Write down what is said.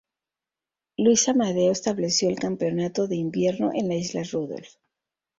Luis Amadeo estableció el campamento de invierno en la isla Rudolf.